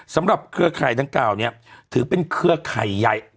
สำหรับเครือข่ายดังเก่าเนี่ยถือเป็นเครือข่ายใหญ่